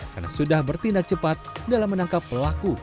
karena sudah bertindak cepat dalam menangkap pelaku